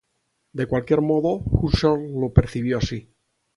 De cualquier modo, Husserl lo percibió así.